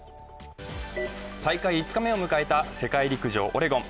大会５日目を迎えた世界陸上オレゴン。